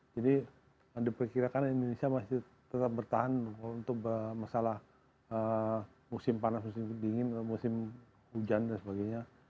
jadi diperkirakan indonesia masih tetap bertahan untuk masalah musim panas musim dingin musim hujan dan sebagainya